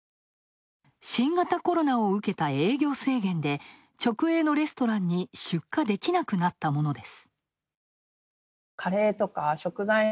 新型コロナをうけた営業制限で、直営のレストランに出荷できなくなったものです。